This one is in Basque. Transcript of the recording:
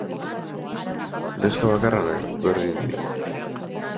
Neska bakarra naiz, berdin dit.